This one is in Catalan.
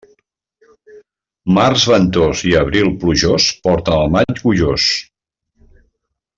Març ventós i abril plujós porten el maig gojós.